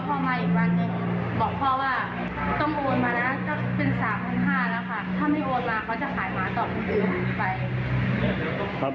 ถ้าไม่โอนมาเขาจะขายหมาต่อทุกบาทไป